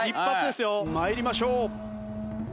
参りましょう。